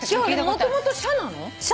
もともと「しゃ」なの？